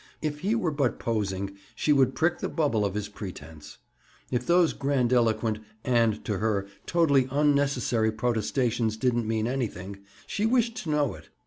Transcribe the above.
If he were but posing, she would prick the bubble of his pretense. If those grandiloquent, and, to her, totally unnecessary protestations didn't mean anything, she wished to know it.